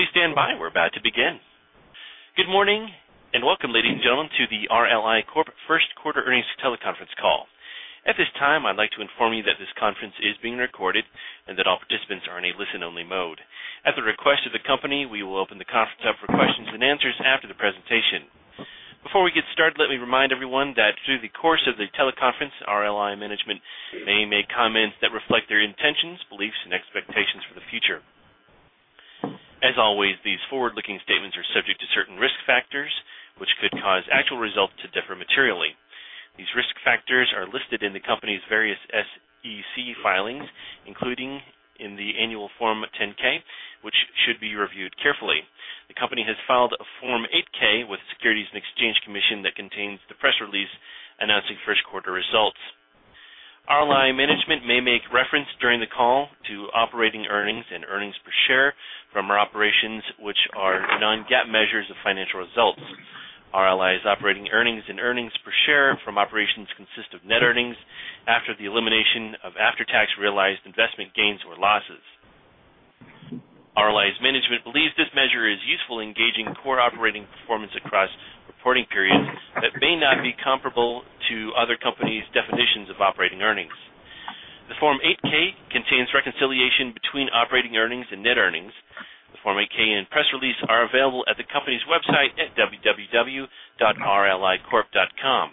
Please stand by. We're about to begin. Good morning, and welcome, ladies and gentlemen, to the RLI Corp. First Quarter Earnings teleconference call. At this time, I'd like to inform you that this conference is being recorded and that all participants are in a listen-only mode. At the request of the company, we will open the conference up for questions and answers after the presentation. Before we get started, let me remind everyone that through the course of the teleconference, RLI management may make comments that reflect their intentions, beliefs, and expectations for the future. As always, these forward-looking statements are subject to certain risk factors, which could cause actual results to differ materially. These risk factors are listed in the company's various SEC filings, including in the annual Form 10-K, which should be reviewed carefully. The company has filed a Form 8-K with the Securities and Exchange Commission that contains the press release announcing first-quarter results. RLI management may make reference during the call to operating earnings and earnings per share from our operations, which are non-GAAP measures of financial results. RLI's operating earnings and earnings per share from operations consist of net earnings after the elimination of after-tax realized investment gains or losses. RLI's management believes this measure is useful in gauging core operating performance across reporting periods that may not be comparable to other companies' definitions of operating earnings. The Form 8-K contains reconciliation between operating earnings and net earnings. The Form 8-K and press release are available at the company's website at www.rlicorp.com.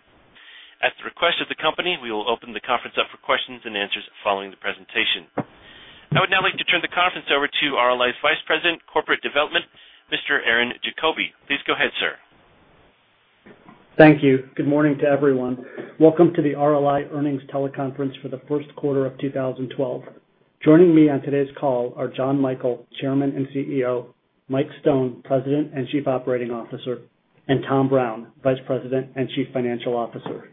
At the request of the company, we will open the conference up for questions and answers following the presentation. I would now like to turn the conference over to RLI's Vice President of Corporate Development, Mr. Aaron Jacoby. Please go ahead, sir. Thank you. Good morning to everyone. Welcome to the RLI Earnings teleconference for the first quarter of 2012. Joining me on today's call are John Michael, Chairman and CEO, Mike Stone, President and Chief Operating Officer, and Tom Brown, Vice President and Chief Financial Officer.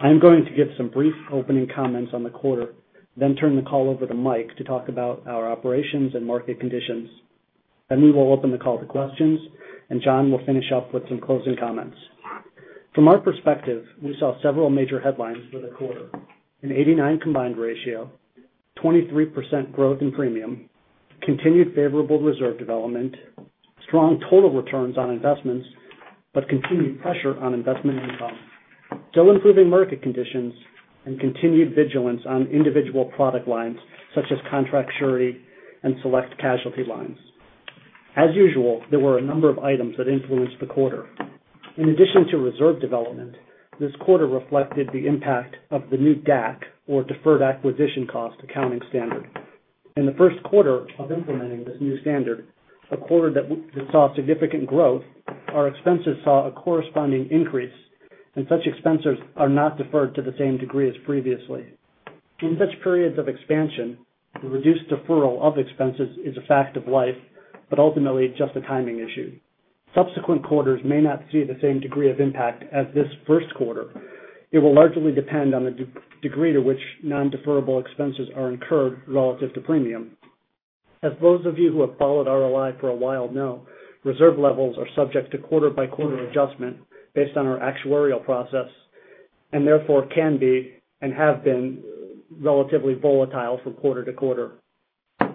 I'm going to give some brief opening comments on the quarter, turn the call over to Mike to talk about our operations and market conditions. We will open the call to questions, and John will finish up with some closing comments. From our perspective, we saw several major headlines for the quarter. An 89 combined ratio, 23% growth in premium, continued favorable reserve development, strong total returns on investments, but continued pressure on investment income, still improving market conditions, and continued vigilance on individual product lines such as contract surety and select casualty lines. As usual, there were a number of items that influenced the quarter. In addition to reserve development, this quarter reflected the impact of the new DAC, or Deferred Acquisition Cost, accounting standard. In the first quarter of implementing this new standard, a quarter that saw significant growth, our expenses saw a corresponding increase, and such expenses are not deferred to the same degree as previously. In such periods of expansion, the reduced deferral of expenses is a fact of life, but ultimately just a timing issue. Subsequent quarters may not see the same degree of impact as this first quarter. It will largely depend on the degree to which non-deferrable expenses are incurred relative to premium. As those of you who have followed RLI for a while know, reserve levels are subject to quarter-by-quarter adjustment based on our actuarial process, and therefore can be and have been relatively volatile from quarter to quarter.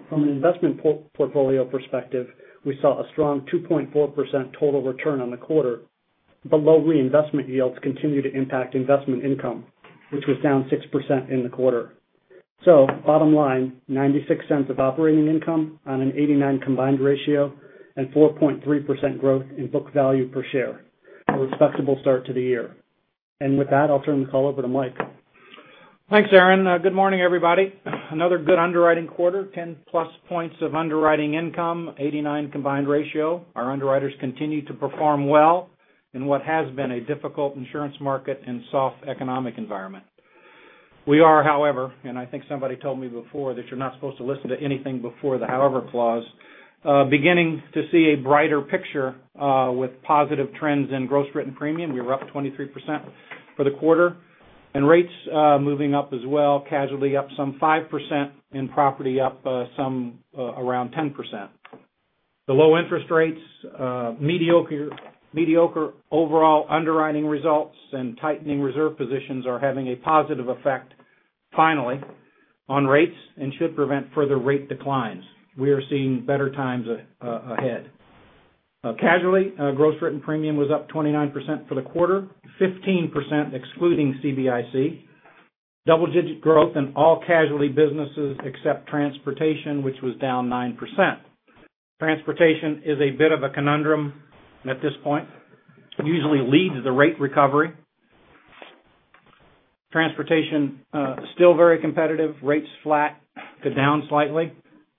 From an investment portfolio perspective, we saw a strong 2.4% total return on the quarter, but low reinvestment yields continue to impact investment income, which was down 6% in the quarter. Bottom line, $0.96 of operating income on an 89 combined ratio and 4.3% growth in book value per share. A respectable start to the year. With that, I'll turn the call over to Mike. Thanks, Aaron. Good morning, everybody. Another good underwriting quarter. 10-plus points of underwriting income, 89 combined ratio. Our underwriters continue to perform well in what has been a difficult insurance market and soft economic environment. We are, however, and I think somebody told me before that you're not supposed to listen to anything before the however clause, beginning to see a brighter picture with positive trends in gross written premium. We were up 23% for the quarter and rates moving up as well, casualty up some 5% and property up some around 10%. The low interest rates, mediocre overall underwriting results, and tightening reserve positions are having a positive effect, finally, on rates and should prevent further rate declines. We are seeing better times ahead. Casualty gross written premium was up 29% for the quarter, 15% excluding CBIC. Double-digit growth in all casualty businesses except transportation, which was down nine percent. Transportation is a bit of a conundrum at this point. It usually leads the rate recovery. Transportation still very competitive, rates flat to down slightly.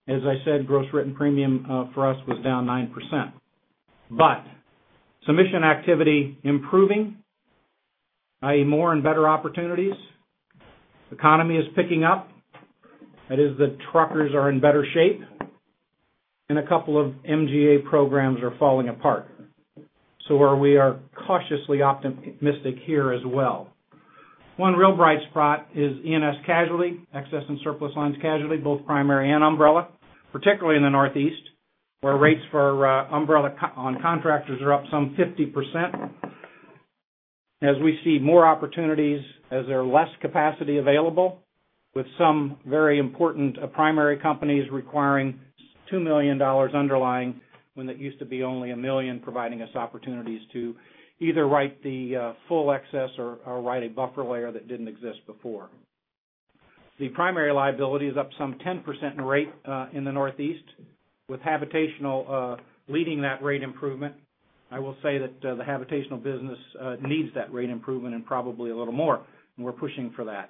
As I said, gross written premium for us was down nine percent. Submission activity improving, i.e., more and better opportunities. The economy is picking up. That is that truckers are in better shape and a couple of MGA programs are falling apart. We are cautiously optimistic here as well. One real bright spot is E&S Casualty, Excess and Surplus Lines Casualty, both primary and umbrella, particularly in the Northeast, where rates for umbrella on contractors are up some 50%. As we see more opportunities, as there are less capacity available, with some very important primary companies requiring $2 million underlying when it used to be only $1 million, providing us opportunities to either write the full excess or write a buffer layer that didn't exist before. The primary liability is up some 10% in rate in the Northeast, with habitational leading that rate improvement. I will say that the habitational business needs that rate improvement and probably a little more, and we're pushing for that.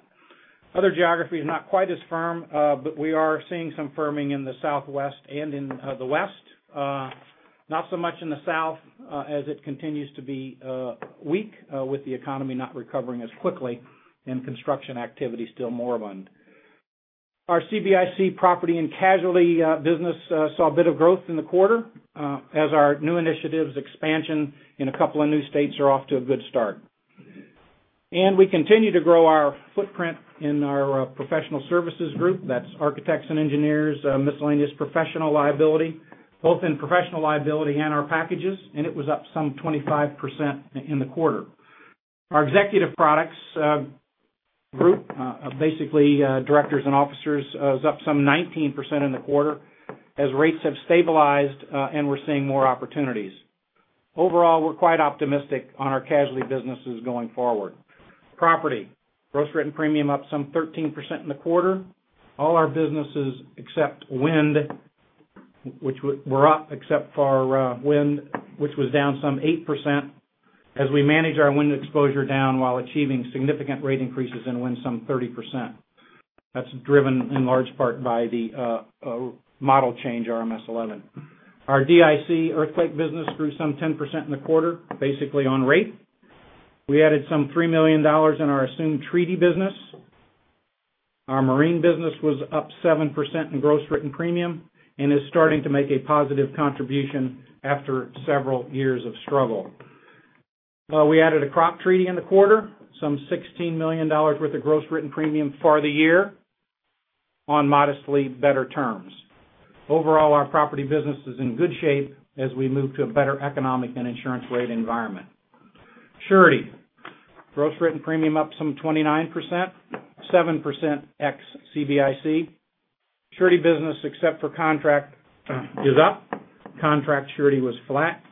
Other geographies, not quite as firm, but we are seeing some firming in the Southwest and in the West. Not so much in the South as it continues to be weak, with the economy not recovering as quickly and construction activity still moribund. Our CBIC property and casualty business saw a bit of growth in the quarter as our new initiatives expansion in a couple of new states are off to a good start. We continue to grow our footprint in our professional services group, that's architects and engineers, miscellaneous professional liability, both in professional liability and our packages, and it was up some 25% in the quarter. Our Executive Products Group, basically Directors and Officers, is up some 19% in the quarter as rates have stabilized and we're seeing more opportunities. Overall, we're quite optimistic on our casualty businesses going forward. Property. Gross written premium up some 13% in the quarter. All our businesses except wind, were up except for our wind, which was down some 8%, as we manage our wind exposure down while achieving significant rate increases in wind some 30%. That's driven in large part by the model change RMS v11. Our DIC earthquake business grew some 10% in the quarter, basically on rate. We added some $3 million in our assumed treaty business. Our marine business was up 7% in gross written premium and is starting to make a positive contribution after several years of struggle. We added a crop treaty in the quarter, some $16 million worth of gross written premium for the year on modestly better terms. Overall, our property business is in good shape as we move to a better economic and insurance rate environment. Surety. Gross written premium up some 29%, 7% ex CBIC. Surety business except for contract is up. Contract surety was flat.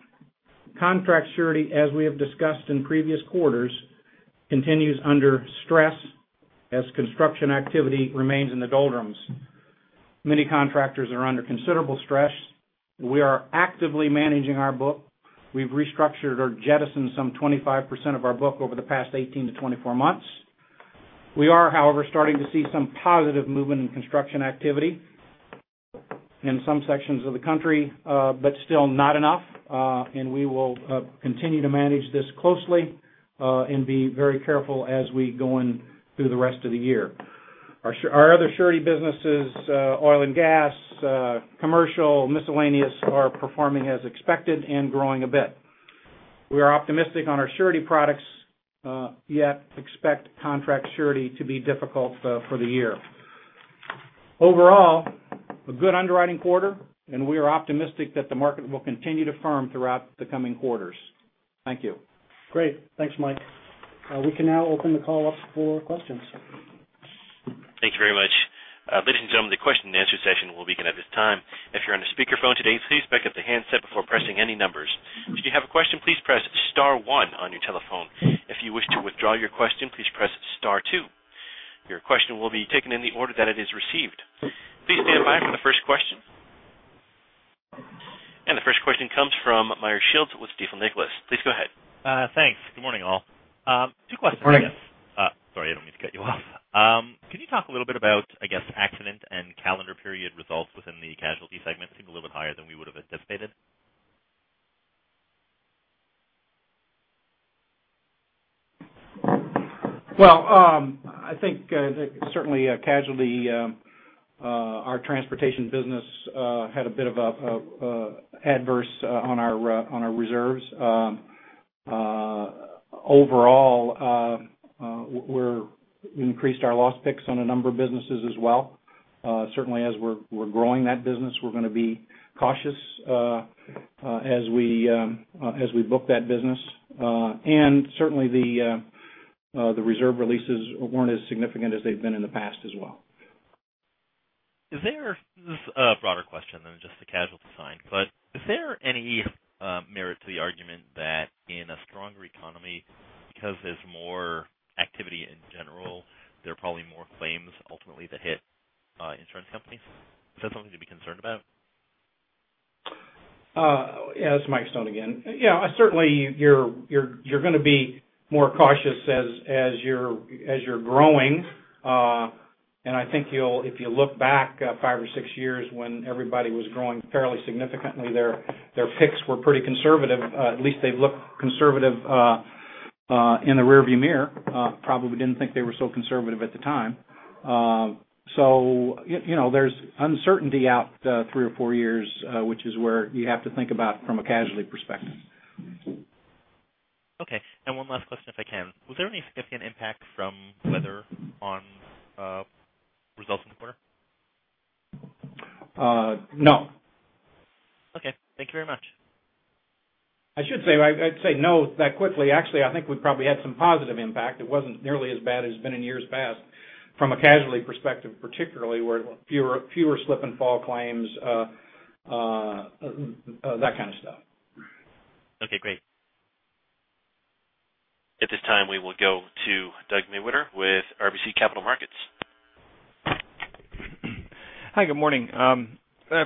Contract surety, as we have discussed in previous quarters, continues under stress as construction activity remains in the doldrums. Many contractors are under considerable stress. We are actively managing our book. We've restructured or jettisoned some 25% of our book over the past 18 to 24 months. We are, however, starting to see some positive movement in construction activity in some sections of the country, but still not enough. We will continue to manage this closely, and be very careful as we go in through the rest of the year. Our other surety businesses, oil and gas, commercial, miscellaneous, are performing as expected and growing a bit. We are optimistic on our surety products, yet expect contract surety to be difficult for the year. Overall, a good underwriting quarter, and we are optimistic that the market will continue to firm throughout the coming quarters. Thank you. Great. Thanks, Mike. We can now open the call up for questions. Thank you very much. Ladies and gentlemen, the question and answer session will begin at this time. If you're on a speaker phone today, please pick up the handset before pressing any numbers. If you have a question, please press *1 on your telephone. If you wish to withdraw your question, please press *2. Your question will be taken in the order that it is received. Please stand by for the first question. The first question comes from Meyer Shields with Stifel Nicolaus. Please go ahead. Thanks. Good morning, all. Two questions. Good morning. Sorry, I don't mean to cut you off. Can you talk a little bit about, I guess, accident and calendar period results within the casualty segment? Seemed a little bit higher than we would've anticipated. Well, I think certainly casualty, our transportation business, had a bit of adverse on our reserves. Overall, we increased our loss picks on a number of businesses as well. Certainly as we're growing that business, we're going to be cautious as we book that business. Certainly the reserve releases weren't as significant as they've been in the past as well. This is a broader question than just the casualty side, but is there any merit to the argument that in a stronger economy, because there's more activity in general, there are probably more claims ultimately that hit insurance companies? Is that something to be concerned about? Yeah. This is Mike Stone again. Yeah, certainly you're going to be more cautious as you're growing. I think if you look back five or six years when everybody was growing fairly significantly, their picks were pretty conservative. At least they look conservative in the rear view mirror. Probably didn't think they were so conservative at the time. There's uncertainty out three or four years, which is where you have to think about from a casualty perspective. Okay. One last question, if I can. Was there any significant impact from weather on results in the quarter? No. Okay. Thank you very much. I should say, I'd say no that quickly. Actually, I think we probably had some positive impact. It wasn't nearly as bad as it's been in years past from a casualty perspective, particularly where fewer slip and fall claims, that kind of stuff. Okay, great. At this time, we will go to Doug Mewhirter with RBC Capital Markets. Hi. Good morning.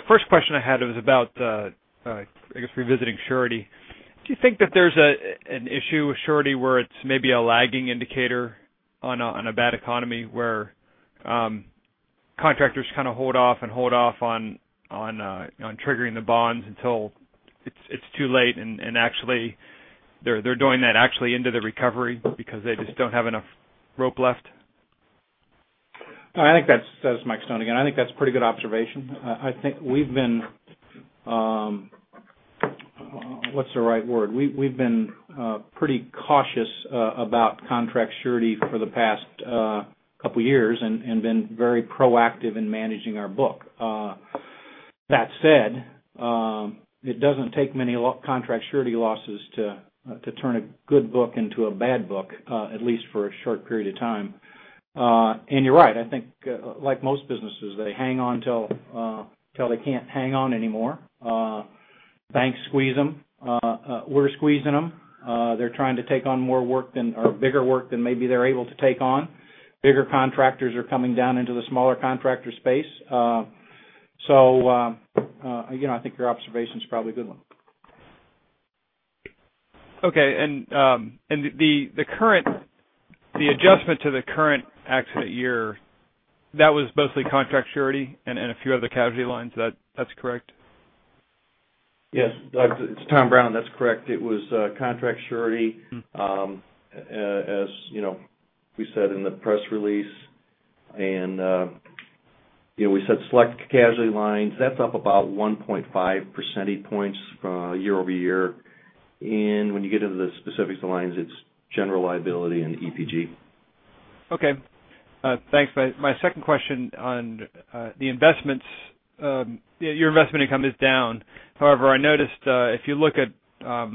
First question I had was about, I guess, revisiting surety. Do you think that there's an issue with surety where it's maybe a lagging indicator on a bad economy where contractors kind of hold off on triggering the bonds until it's too late, and actually they're doing that actually into the recovery because they just don't have enough rope left? This is Mike Stone again. I think that's a pretty good observation. I think we've been, what's the right word? We've been pretty cautious about contract surety for the past couple of years and been very proactive in managing our book. That said, it doesn't take many contract surety losses to turn a good book into a bad book, at least for a short period of time. You're right. I think, like most businesses, they hang on till they can't hang on anymore. Banks squeeze them. We're squeezing them. They're trying to take on more work or bigger work than maybe they're able to take on. Bigger contractors are coming down into the smaller contractor space. Again, I think your observation is probably a good one. Okay. The adjustment to the current accident year, that was mostly contract surety and a few other casualty lines. That's correct? Yes, Doug. It's Tom Brown. That's correct. It was contract surety as we said in the press release. We said select casualty lines. That's up about 1.5 percentage points year-over-year. When you get into the specifics of lines, it's general liability and EPG. Okay. Thanks. My second question on the investments. Your investment income is down. However, I noticed if you look at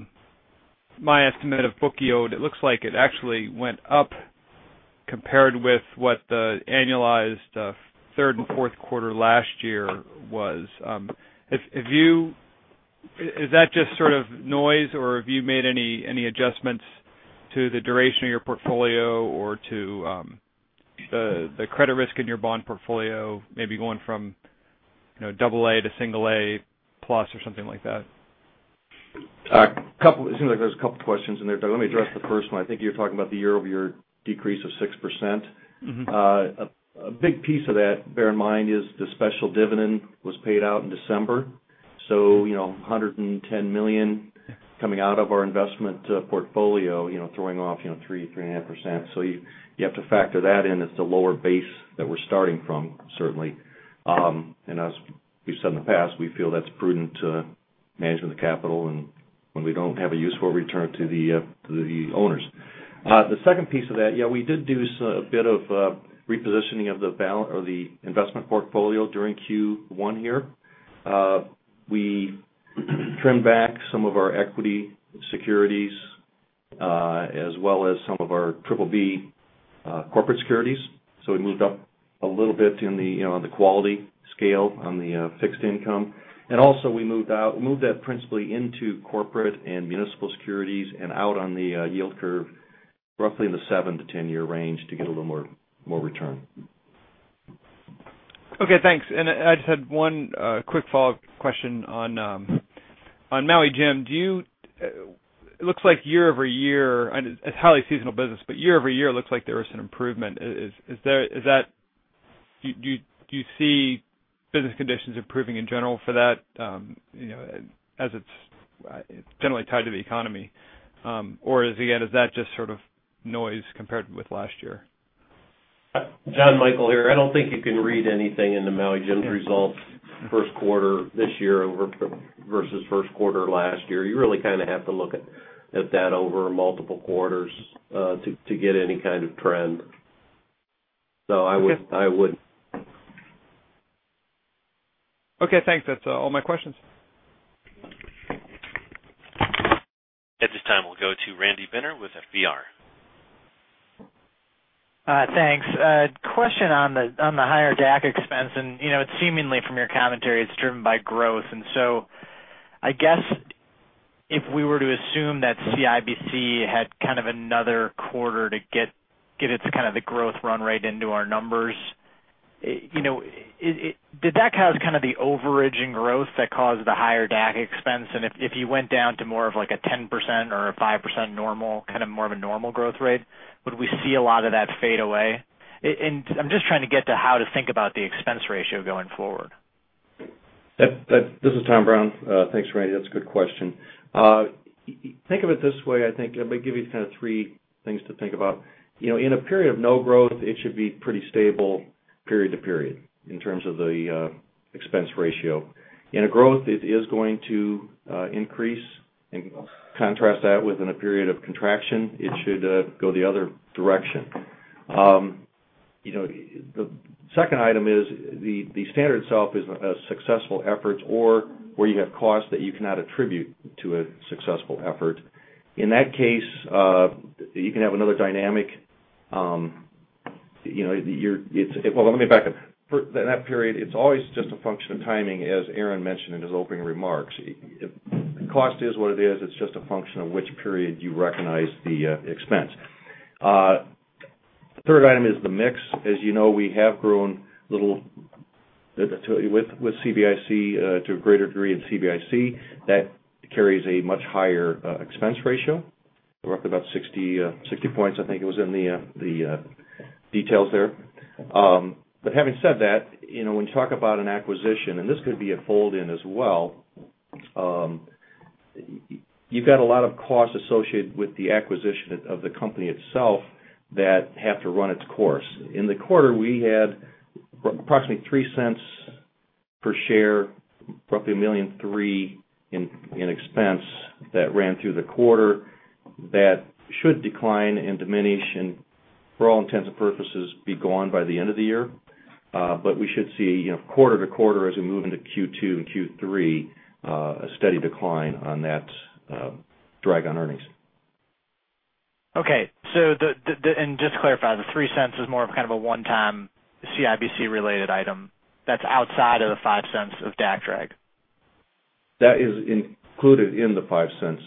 my estimate of book yield, it looks like it actually went up compared with what the annualized third and fourth quarter last year was. Is that just sort of noise, or have you made any adjustments to the duration of your portfolio or to the credit risk in your bond portfolio, maybe going from double A to single A plus or something like that? It seems like there's a couple questions in there, Doug. Let me address the first one. I think you're talking about the year-over-year decrease of 6%. A big piece of that, bear in mind, is the special dividend was paid out in December. $110 million coming out of our investment portfolio throwing off 3%, 3.5%. You have to factor that in as the lower base that we're starting from, certainly. As we've said in the past, we feel that's prudent to managing the capital and when we don't have a useful return to the owners. The second piece of that, yeah, we did do a bit of repositioning of the investment portfolio during Q1 here. We trimmed back some of our equity securities as well as some of our triple B corporate securities. We moved up a little bit on the quality scale on the fixed income. Also we moved that principally into corporate and municipal securities and out on the yield curve, roughly in the 7-10-year range to get a little more return. Okay, thanks. I just had one quick follow-up question on Maui Jim. It looks like year-over-year, it's highly seasonal business, but year-over-year, it looks like there was an improvement. Do you see business conditions improving in general for that as it's generally tied to the economy? Or again, is that just sort of noise compared with last year? Jonathan Michael here. I don't think you can read anything in the Maui Jim results first quarter this year versus first quarter last year. You really kind of have to look at that over multiple quarters to get any kind of trend. I wouldn't. Okay, thanks. That's all my questions. At this time, we'll go to Randy Binner with FBR. Thanks. Question on the higher DAC expense, seemingly from your commentary, it's driven by growth. I guess if we were to assume that CBIC had kind of another quarter to get its kind of the growth run right into our numbers, did DAC have kind of the overage in growth that caused the higher DAC expense? If you went down to more of like a 10% or a 5% normal kind of more of a normal growth rate, would we see a lot of that fade away? I'm just trying to get to how to think about the expense ratio going forward. This is Tom Brown. Thanks, Randy. That's a good question. Think of it this way. I think I might give you kind of three things to think about. In a period of no growth, it should be pretty stable period to period in terms of the expense ratio. In a growth, it is going to increase. Contrast that within a period of contraction, it should go the other direction. The second item is the standard itself is a successful effort or where you have costs that you cannot attribute to a successful effort. In that case, you can have another dynamic. Well, let me back up. For that period, it's always just a function of timing, as Aaron mentioned in his opening remarks. Cost is what it is. It's just a function of which period you recognize the expense. Third item is the mix. As you know, we have grown little with CBIC to a greater degree in CBIC. That carries a much higher expense ratio. We're up about 60 points, I think it was in the details there. Having said that, when you talk about an acquisition, and this could be a fold-in as well, you've got a lot of costs associated with the acquisition of the company itself that have to run its course. In the quarter, we had approximately $0.03 per share, roughly $1.3 million in expense that ran through the quarter. That should decline and diminish and, for all intents and purposes, be gone by the end of the year. We should see quarter to quarter as we move into Q2 and Q3, a steady decline on that drag on earnings. Okay. Just to clarify, the $0.03 is more of a one-time CBIC related item that's outside of the $0.05 of DAC drag. That is included in the $0.05.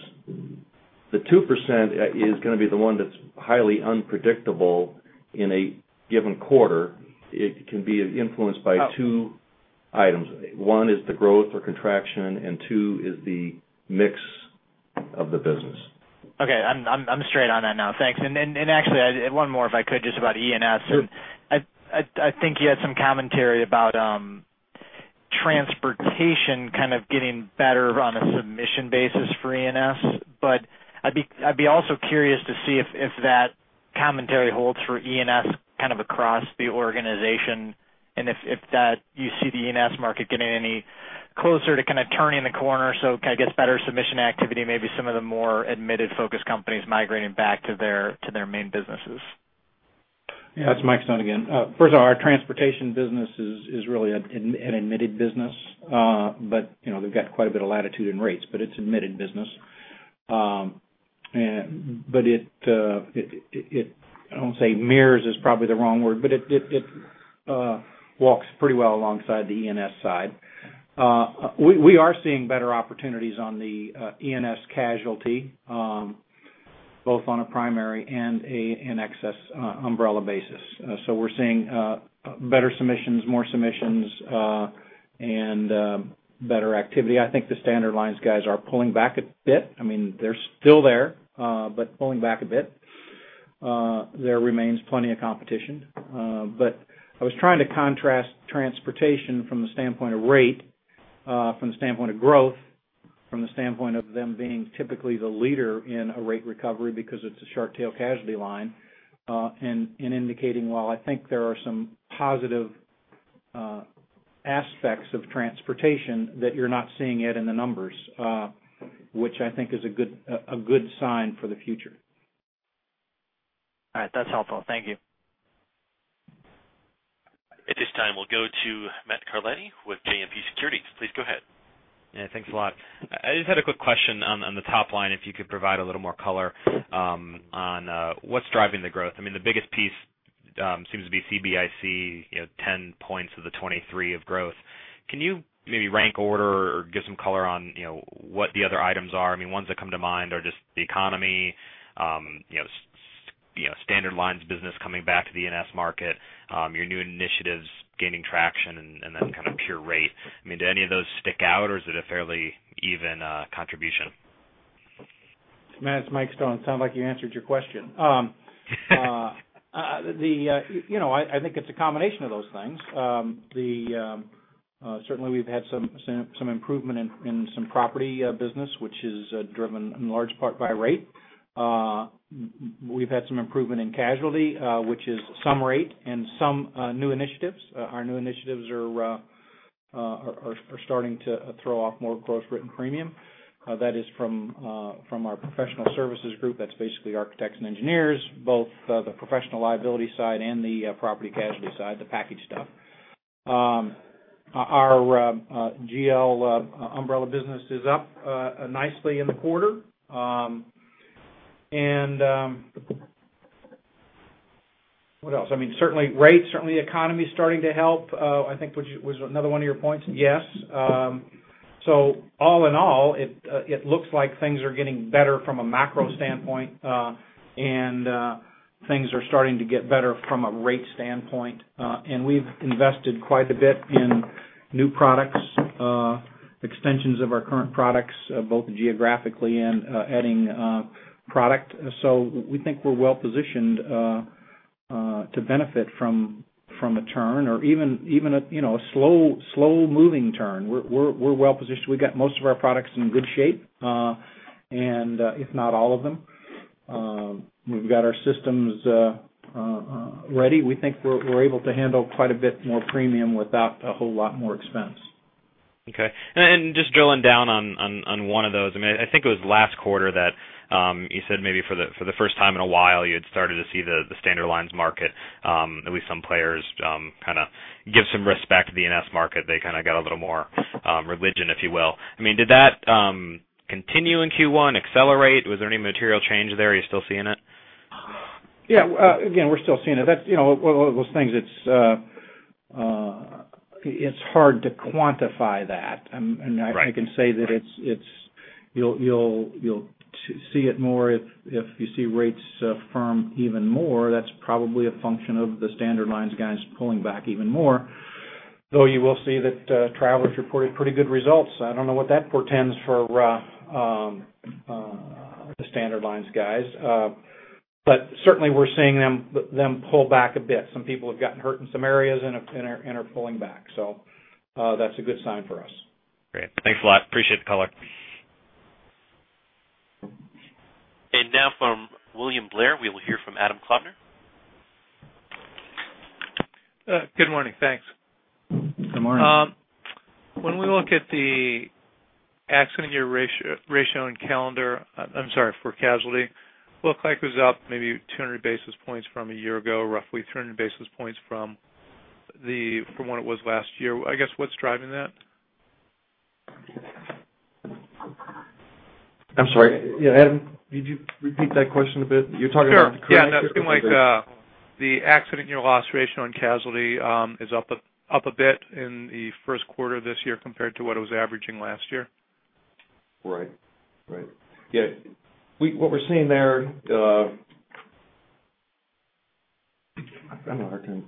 The 2% is going to be the one that's highly unpredictable in a given quarter. It can be influenced by two items. One is the growth or contraction, and two is the mix of the business. Okay. I'm straight on that now. Thanks. Actually, one more, if I could, just about E&S. Sure. I think you had some commentary about transportation kind of getting better on a submission basis for E&S. I'd be also curious to see if that commentary holds for E&S kind of across the organization, and if you see the E&S market getting any closer to kind of turning the corner, so kind of gets better submission activity, maybe some of the more admitted focus companies migrating back to their main businesses. It's Mike Stone again. First of all, our transportation business is really an admitted business. They've got quite a bit of latitude in rates, but it's admitted business. I don't say mirrors is probably the wrong word, but it walks pretty well alongside the E&S side. We are seeing better opportunities on the E&S Casualty, both on a primary and an excess umbrella basis. We're seeing better submissions, more submissions, and better activity. I think the standard lines guys are pulling back a bit. They're still there, but pulling back a bit. There remains plenty of competition. I was trying to contrast transportation from the standpoint of rate, from the standpoint of growth, from the standpoint of them being typically the leader in a rate recovery because it's a short tail casualty line, and indicating while I think there are some positive aspects of transportation that you're not seeing yet in the numbers, which I think is a good sign for the future. All right. That's helpful. Thank you. At this time, we'll go to Matthew Carletti with JMP Securities. Please go ahead. Thanks a lot. I just had a quick question on the top line, if you could provide a little more color on what's driving the growth. The biggest piece seems to be CBIC, 10 points of the 23 of growth. Can you maybe rank order or give some color on what the other items are? Ones that come to mind are just the economy, standard lines business coming back to the E&S market, your new initiatives gaining traction, and then kind of pure rate. Do any of those stick out, or is it a fairly even contribution? Matt, it's Mike Stone. It sounds like you answered your question. I think it's a combination of those things. Certainly, we've had some improvement in some property business, which is driven in large part by rate. We've had some improvement in casualty, which is some rate and some new initiatives. Our new initiatives are starting to throw off more gross written premium. That is from our professional services group. That's basically architects and engineers, both the professional liability side and the property casualty side, the package stuff. Our GL umbrella business is up nicely in the quarter. What else? Certainly rates, certainly the economy's starting to help, I think was another one of your points. Yes. All in all, it looks like things are getting better from a macro standpoint, and things are starting to get better from a rate standpoint. We've invested quite a bit in new products, extensions of our current products, both geographically and adding product. We think we're well-positioned to benefit from a turn or even a slow moving turn. We're well-positioned. We got most of our products in good shape, if not all of them. We've got our systems ready. We think we're able to handle quite a bit more premium without a whole lot more expense. Okay. Just drilling down on one of those. I think it was last quarter that you said maybe for the first time in a while, you had started to see the standard lines market, at least some players kind of give some respect to the E&S market. They kind of got a little more religion, if you will. Did that continue in Q1, accelerate? Was there any material change there? Are you still seeing it? Yeah. Again, we're still seeing it. Those things, it's hard to quantify that. Right. I can say that you'll see it more if you see rates firm even more. That's probably a function of the standard lines guys pulling back even more, though you will see that Travelers reported pretty good results. I don't know what that portends for the standard lines guys. Certainly, we're seeing them pull back a bit. Some people have gotten hurt in some areas and are pulling back. That's a good sign for us. Great. Thanks a lot. Appreciate the color. Now from William Blair, we will hear from Adam Klauber. Good morning. Thanks. Good morning. When we look at the accident year ratio and calendar, I'm sorry, for casualty, it looked like it was up maybe 200 basis points from a year ago, roughly 300 basis points from what it was last year. I guess, what's driving that? I'm sorry. Adam, could you repeat that question a bit? You're talking about the current year. Sure. Yeah. It seems like the accident year loss ratio in casualty is up a bit in the first quarter of this year compared to what it was averaging last year. Right. What we're seeing there, I'm having a hard time.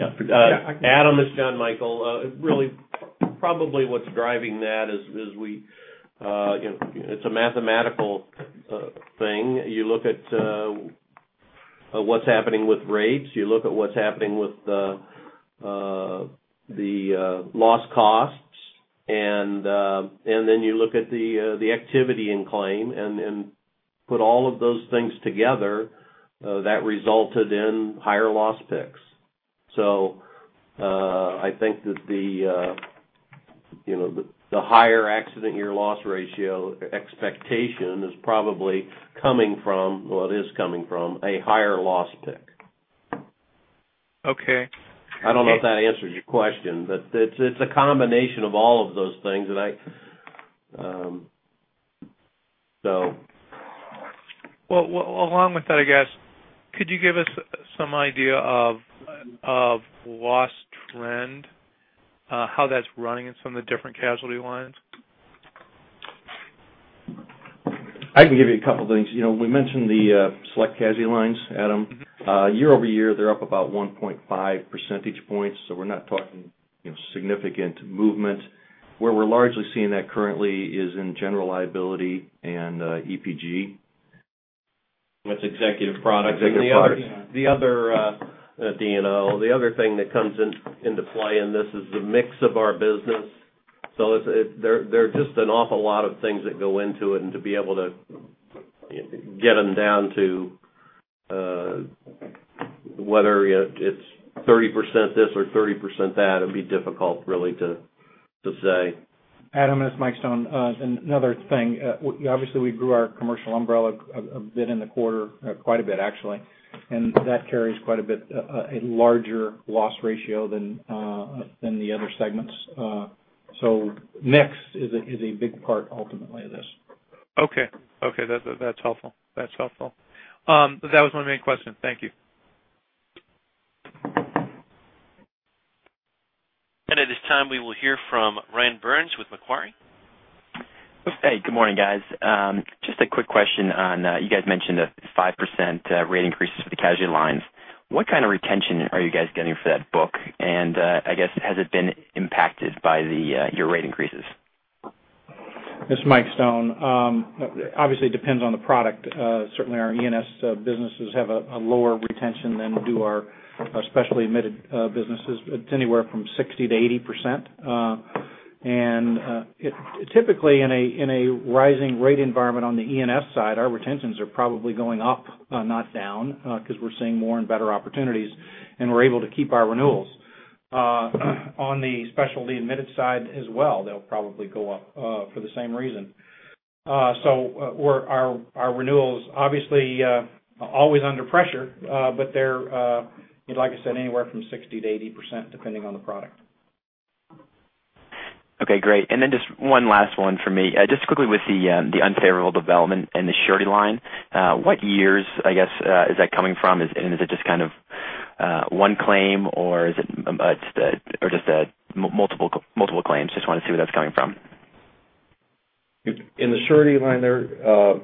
Adam, this is Jonathan Michael. Really, probably what's driving that is it's a mathematical thing. You look at what's happening with rates, you look at what's happening with the loss costs, and then you look at the activity in claim and put all of those things together, that resulted in higher loss picks. I think that the higher accident year loss ratio expectation is probably coming from, well, it is coming from a higher loss pick. Okay. I don't know if that answers your question. It's a combination of all of those things. Well, along with that, I guess, could you give us some idea of loss trend, how that's running in some of the different casualty lines? I can give you a couple of things. We mentioned the select casualty lines, Adam. Year-over-year, they're up about 1.5 percentage points, so we're not talking significant movement. Where we're largely seeing that currently is in general liability and EPG. That's Executive Products. Executive Products. The other- D&O. The other thing that comes into play in this is the mix of our business. There are just an awful lot of things that go into it, and to be able to get them down to whether it's 30% this or 30% that, it'd be difficult really to say. Adam, this is Mike Stone. Another thing, obviously, we grew our commercial umbrella a bit in the quarter, quite a bit actually. That carries quite a bit, a larger loss ratio than the other segments. Mix is a big part ultimately of this. Okay. That's helpful. That was my main question. Thank you. At this time, we will hear from Ryan Burns with Macquarie. Hey, good morning, guys. Just a quick question on, you guys mentioned a 5% rate increase for the casualty lines. What kind of retention are you guys getting for that book? I guess, has it been impacted by your rate increases? This is Mike Stone. Obviously, it depends on the product. Certainly, our E&S businesses have a lower retention than do our specialty admitted businesses. It's anywhere from 60%-80%. Typically, in a rising rate environment on the E&S side, our retentions are probably going up, not down, because we're seeing more and better opportunities, we're able to keep our renewals. On the specialty admitted side as well, they'll probably go up for the same reason. Our renewals, obviously, are always under pressure, but they're, like I said, anywhere from 60%-80%, depending on the product. Okay, great. Then just one last one for me. Just quickly with the unfavorable development in the surety line, what years, I guess, is that coming from? Is it just one claim, or is it just multiple claims? Just want to see where that's coming from. In the surety line there,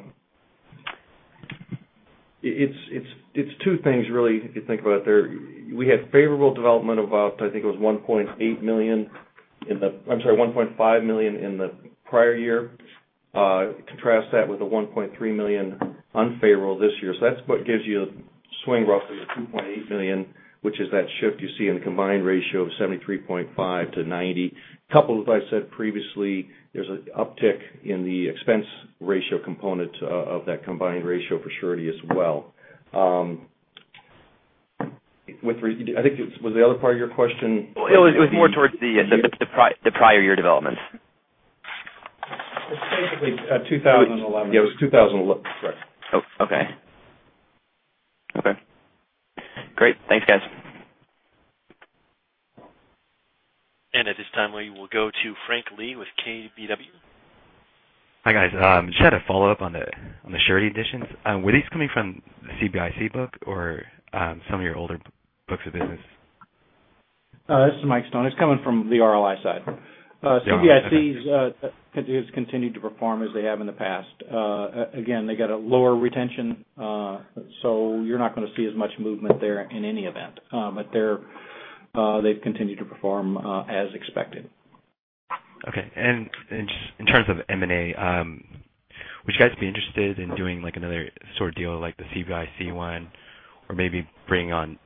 it's two things, really, if you think about it. We had favorable development of about, I think it was $1.8 million. I'm sorry, $1.5 million in the prior year. Contrast that with the $1.3 million unfavorable this year. That's what gives you a swing roughly of $2.8 million, which is that shift you see in the combined ratio of 73.5% to 90%. Coupled with, I said previously, there's an uptick in the expense ratio component of that combined ratio for surety as well. I think that was the other part of your question. It was more towards the prior year developments. It's basically 2011. Yeah, it was 2011. Correct. Okay. Great. Thanks, guys. At this time, we will go to Frank Lee with KBW. Hi, guys. Just had a follow-up on the surety additions. Were these coming from the CBIC book or some of your older books of business? This is Mike Stone. It's coming from the RLI side. Yeah, okay. CBIC's continued to perform as they have in the past. They got a lower retention, so you're not going to see as much movement there in any event. They've continued to perform as expected. Okay. Just in terms of M&A, would you guys be interested in doing another sort of deal like the CBIC one or maybe bring on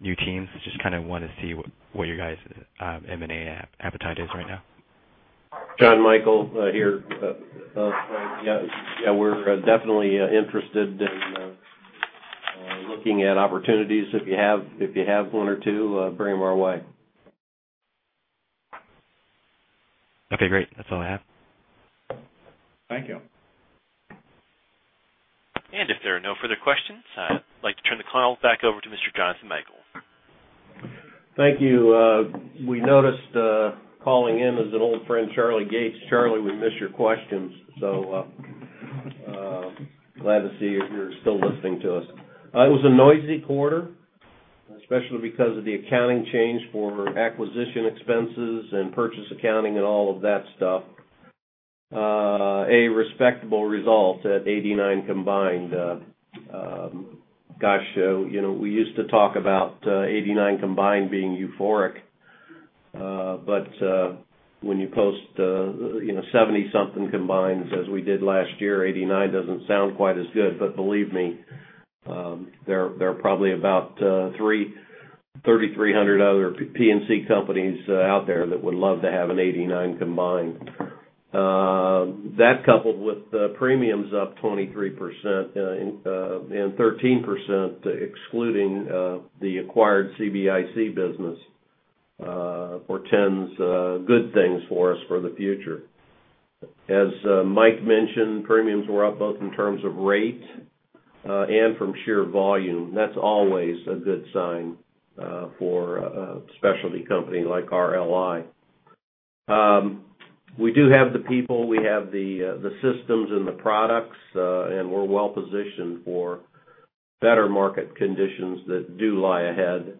new teams? Just kind of want to see what your guys' M&A appetite is right now. Jonathan Michael here. We're definitely interested in looking at opportunities. If you have one or two, bring them our way. Okay, great. That's all I have. Thank you. If there are no further questions, I'd like to turn the call back over to Mr. Jonathan Michael. Thank you. We noticed calling in is an old friend, Charlie Gates. Charlie, we miss your questions. Glad to see you're still listening to us. It was a noisy quarter, especially because of the accounting change for acquisition expenses and purchase accounting and all of that stuff. A respectable result at 89 combined. Gosh, we used to talk about 89 combined being euphoric. When you post seventy something combines as we did last year, 89 doesn't sound quite as good. Believe me, there are probably about 3,300 other P&C companies out there that would love to have an 89 combined. That coupled with premiums up 23%, and 13% excluding the acquired CBIC business, portends good things for us for the future. As Mike mentioned, premiums were up both in terms of rate and from sheer volume. That's always a good sign for a specialty company like RLI. We do have the people, we have the systems and the products, and we're well-positioned for better market conditions that do lie ahead.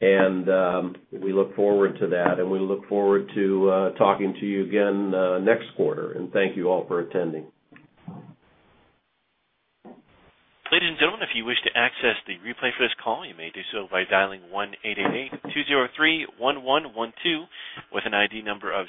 We look forward to that, and we look forward to talking to you again next quarter. Thank you all for attending. Ladies and gentlemen, if you wish to access the replay for this call, you may do so by dialing 1-888-203-1112 with an ID number of